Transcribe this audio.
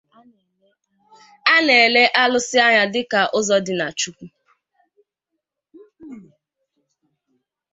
A na-ele alusi anya dika uzo di na Chukwu.